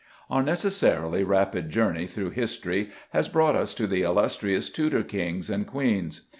Our necessarily rapid journey through history has brought us to the illustrious Tudor Kings and Queens.